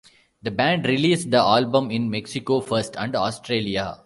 The band released the album in Mexico first and Australia.